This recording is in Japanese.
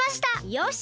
よし。